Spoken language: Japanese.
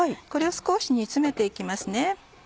これを少し煮詰めて行きます。